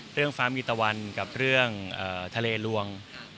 เรื่องฟาร์มอีตะวันกับเรื่องทะเลลวง